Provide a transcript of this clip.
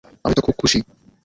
আমি তো খুব খুশি।